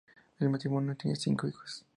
El matrimonio tiene cinco hijos.